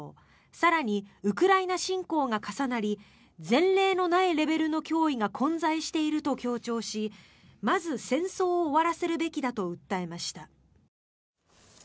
更にウクライナ侵攻が重なり前例のないレベルの脅威が混在していると強調しまず、戦争を終わらせるべきだと訴えました。